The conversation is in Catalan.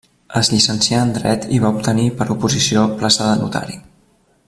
Es llicencià en dret i va obtenir per oposició plaça de notari.